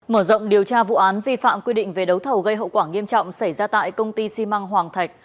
mở rộng điều tra vụ án vi phạm quy định về đấu thầu gây hậu quả nghiêm trọng xảy ra tại công ty xi măng hoàng thạch